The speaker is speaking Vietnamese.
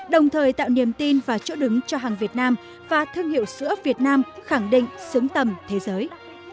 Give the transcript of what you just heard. đồng thời tạo niềm tin và chỗ đứng cho hàng việt nam và thương hiệu sữa việt nam khẳng định xứng tầm thế giới